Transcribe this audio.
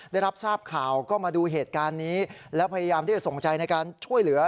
ได้รับทราบข่าวก็มาดูเหตุการณ์นี้แล้วพยายามที่จะส่งใจในการช่วยเหลือ